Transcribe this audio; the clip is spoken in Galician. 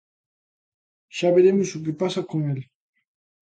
Xa veremos o que pasa con el.